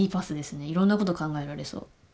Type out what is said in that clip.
いろんなこと考えられそう。